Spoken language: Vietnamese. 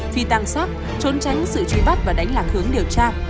phi tăng sắc trốn tránh sự truy bắt và đánh lạc hướng điều tra